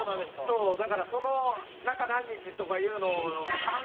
そうだからその中何日とかいうのを考えると。